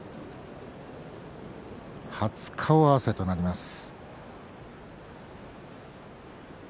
初顔合わせとなります。